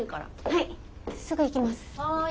はい。